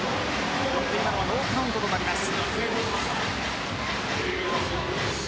これで今のはノーカウントとなります。